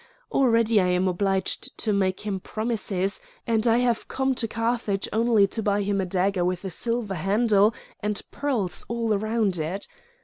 Already I am obliged to make him promises, and I have come to Carthage only to buy him a dagger with a silver handle and pearls all around it."